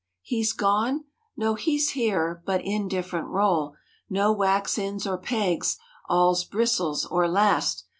He's gone? No, he's here, but in different role; No "wax ends" or pegs; awls, bristles or last.